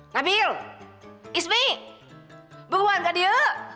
nabil ismi beruan nggak dia